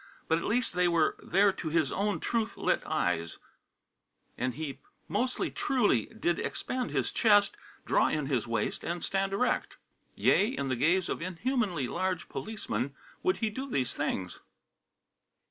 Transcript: But at least they were there to his own truth lit eyes, and he most truly did "expand his chest, draw in his waist, and stand erect." Yea, in the full gaze of inhumanly large policemen would he do these things.